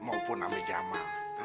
maupun ame jamal